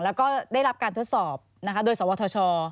แล้วก็ได้รับการทดสอบนะคะโดยสวทช